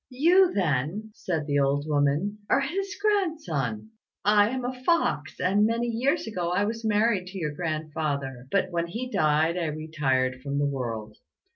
"You, then," said the old woman, "are his grandson. I am a fox, and many years ago I was married to your grandfather; but when he died I retired from the world.